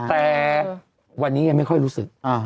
แต่วันนี้ยังไม่ค่อยรู้สึก